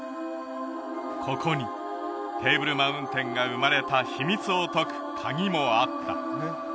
ここにテーブルマウンテンが生まれた秘密を解くカギもあった